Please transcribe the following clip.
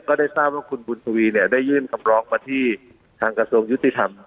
ก็ได้ทราบว่าคุณบุญทวีเนี่ยได้ยื่นคำร้องมาที่ทางกระทรวงยุติธรรม